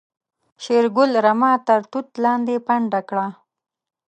شېرګل رمه تر توت لاندې پنډه کړه.